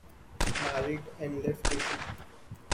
Married and left issue.